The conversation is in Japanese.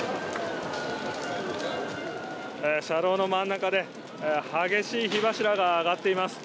車道の真ん中で激しい火柱が上がっています。